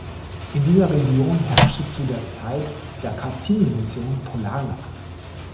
In dieser Region herrschte zu der Zeit der Cassini-Mission Polarnacht.